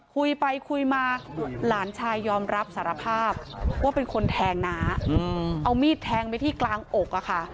คุยไปคุยมาหลานชายยอมรับสารภาพว่าเป็นคนแทงน้าเอามีดแทงไปที่กลางอกอะค่ะ